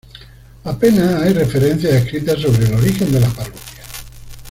Apenas hay referencias escritas sobre el origen de la parroquia.